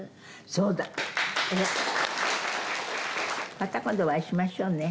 また今度お会いしましょうね。